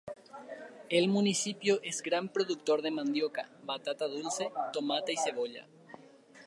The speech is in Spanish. El municipio es gran productor de mandioca, batata dulce, tomate y cebolla.